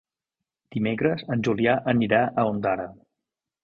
Dimecres en Julià anirà a Ondara.